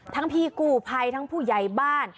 พี่กู้ภัยทั้งผู้ใหญ่บ้าน